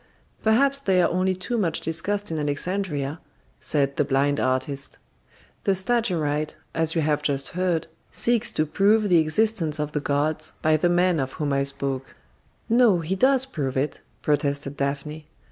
"Perhaps they are only too much discussed in Alexandria," said the blind artist. "The Stagirite, as you have just heard, seeks to prove the existence of the gods by the man of whom I spoke." "No, he does prove it," protested Daphne.